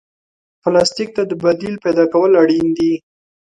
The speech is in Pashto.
پلاستيک ته د بدیل پیدا کول اړین دي.